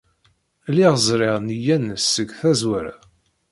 Lliɣ ẓriɣ nneyya-nnes seg tazwara.